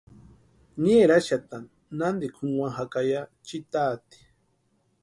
Ni eraxatani nantika junkwani jaka ya chiti taati.